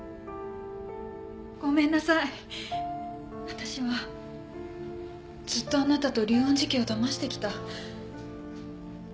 ごめんなさいわたしはずっとあなたと竜恩寺家をだましてきた。